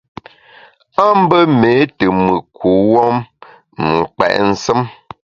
A mbe méé te mùt kuwuom, m’ nkpèt nsùm.